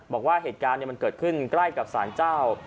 บอกว่าเหตุการณ์มันเกิดขึ้นใกล้กับสารเจ้า